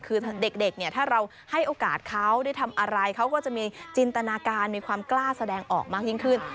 คือเด็กเนี่ยถ้าเราให้โอกาสเขาได้ทำอะไรเขาก็จะมีจินตนาการมีความกล้าแสดงออกมายิ่งขึ้น